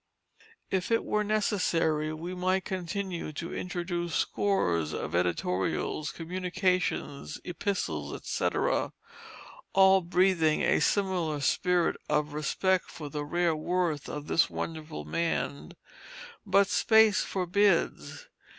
If it were necessary we might continue to introduce scores of editorials, communications, epistles, etc., all breathing a similar spirit of respect for the rare worth of this wonderful man, but space forbids.